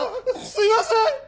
すいません！